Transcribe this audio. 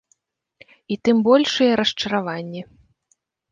І тым большыя расчараванні.